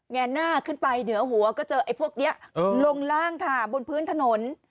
แนนหน้าขึ้นไปเหนือหัวก็เจอไอ้พวกนี้ลงล่างค่ะบนพื้นถนน